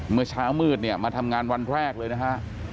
เมื่อเช้ามืดเนี่ยมาทำงานวันแรกเลยนะฮะ